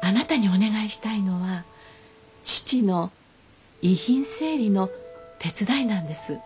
あなたにお願いしたいのは父の遺品整理の手伝いなんです。